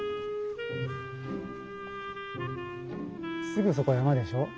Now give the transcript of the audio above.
すぐそこ山でしょう？